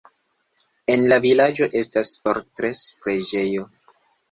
En la vilaĝo estas fortres-preĝejo.